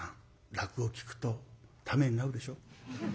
落語聴くとためになるでしょ？